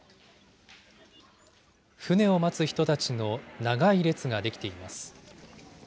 船を待つ人たちの長い列が出来ています。